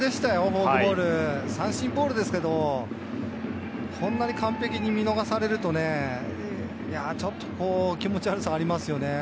フォークボール、三振ボールですけれど、こんなに完璧に見逃されるとね、ちょっと気持ち悪さがありますよね。